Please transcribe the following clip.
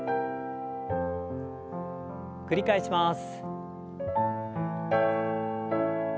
繰り返します。